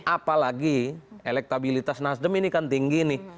apalagi elektabilitas nasdem ini kan tinggi nih